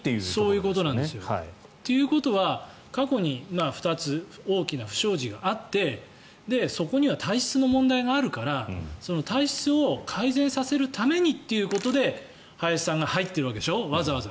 そういうことなんですよ。ということは過去に２つ大きな不祥事があってそこには体質の問題があるから体質を改善させるためにっていうことで林さんが入っているわけでしょわざわざ。